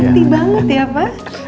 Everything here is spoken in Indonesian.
ngerti banget ya pa